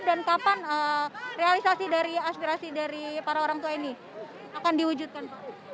dan kapan realisasi dari aspirasi dari para orang tua ini akan diwujudkan